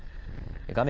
画面